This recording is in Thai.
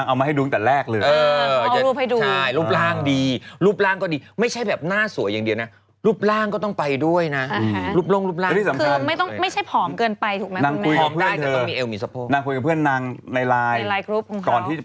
นางเอามาให้ดูตั้งแต่แรกเลยเออ